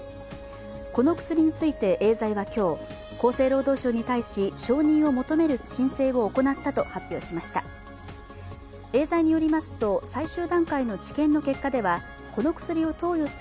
この薬についてエーザイは今日、厚生労働省に対し承認を求める申請を行ったと発表しました。